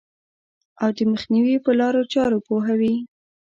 او د مخنیوي په لارو چارو پوهوي.